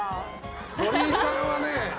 森さんはね